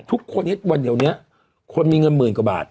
ทุกวันนี้วันเดี๋ยวนี้คนมีเงินหมื่นกว่าบาท